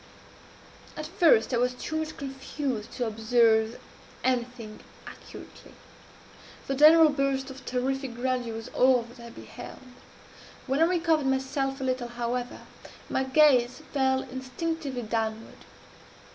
"At first I was too much confused to observe anything accurately. The general burst of terrific grandeur was all that I beheld. When I recovered myself a little, however, my gaze fell instinctively downward.